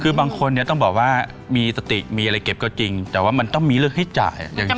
คือบางคนเนี่ยต้องบอกว่ามีสติมีอะไรเก็บก็จริงแต่ว่ามันต้องมีเรื่องให้จ่าย